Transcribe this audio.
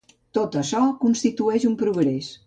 Tot açò constitueix un progrés.